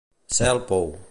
Ser al pou.